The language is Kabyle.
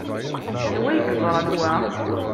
Anwa ay yerẓan wa?